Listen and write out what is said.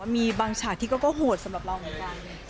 มีบางฉากที่ก็โหดสำหรับเราเหมือนกัน